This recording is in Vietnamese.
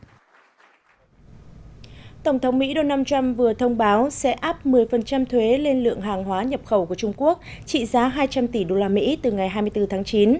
tổng thống mỹ donald trump vừa thông báo sẽ áp một mươi thuế lên lượng hàng hóa nhập khẩu của trung quốc trị giá hai trăm linh tỷ usd từ ngày hai mươi bốn tháng chín